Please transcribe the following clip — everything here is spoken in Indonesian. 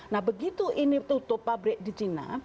nah begitu ini tutup pabrik di cina